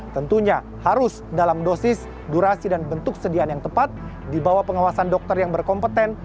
tentunya harus dalam dosis durasi dan bentuk sediaan yang tepat di bawah pengawasan dokter yang berkompeten